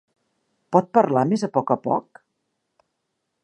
Pot parlar més a més a poc?